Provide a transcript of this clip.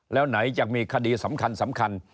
แล้วไหนจะมีคดีสำคัญ